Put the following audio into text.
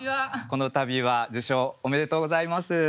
この度は受賞おめでとうございます。